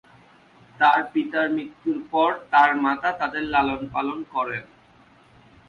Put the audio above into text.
তার পিতার মৃত্যুর পর তার মাতা তাদের লালনপালন করেন।